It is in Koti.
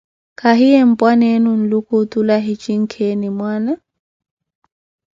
Kahiye, ye mpwaneenu Nluku otule ahi jinkeeni mwaana?